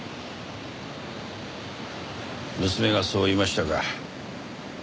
娘がそう言いましたか。